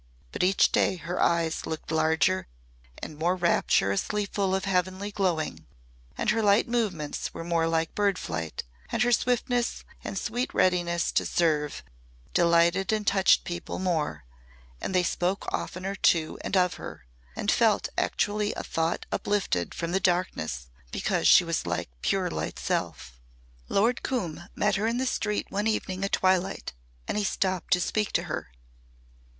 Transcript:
But each day her eyes looked larger and more rapturously full of heavenly glowing, and her light movements were more like bird flight, and her swiftness and sweet readiness to serve delighted and touched people more, and they spoke oftener to and of her, and felt actually a thought uplifted from the darkness because she was like pure light's self. Lord Coombe met her in the street one evening at twilight and he stopped to speak to her.